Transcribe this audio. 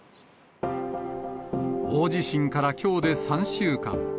大地震からきょうで３週間。